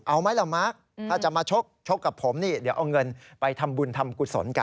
เอาไหมล่ะมักถ้าจะมาชกกับผมนี่เดี๋ยวเอาเงินไปทำบุญทำกุศลกัน